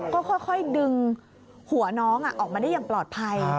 ก็ค่อยดึงหัวน้องออกมาได้อย่างปลอดภัย